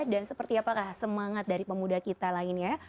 dan seperti apakah semangat dari pemuda kita lainnya